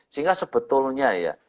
sehingga sebetulnya ya